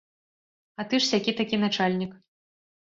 А ты ж сякі-такі начальнік.